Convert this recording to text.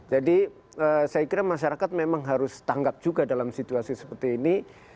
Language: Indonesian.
jadi saya kira masyarakat memang harus tanggap juga dalam situasi seperti ini